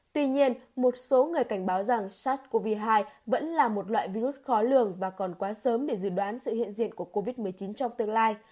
tuy nhiên một số người cảnh báo rằng sars cov hai vẫn là một loại virus khó lường và còn quá sớm để dự đoán sự hiện diện của covid một mươi chín trong tương lai